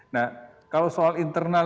nah kalau soal internal